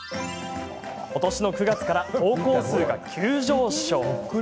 今年の９月から投稿数が急上昇。